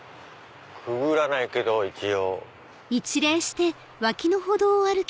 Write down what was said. くぐらないけど一応。